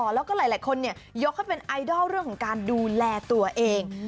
แล้วก็หลายคนยกให้เป็นไอดอลเรื่องของการดูแลตัวเอง